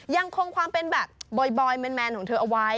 ยังคงความเป็นแบบบอยแมนของเธอเอาไว้